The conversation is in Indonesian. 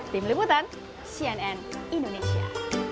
tim liputan cnn indonesia